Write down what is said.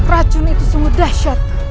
racun itu sungguh dahsyat